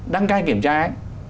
đăng cai kiểm tra ấy